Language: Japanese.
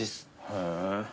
へえ。